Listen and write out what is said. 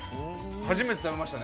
初めて食べました。